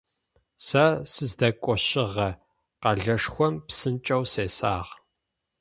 Сэ сыздэкощыгъэ къэлэшхом псынкӀэу сесагъ.